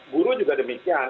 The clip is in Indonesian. guru juga demikian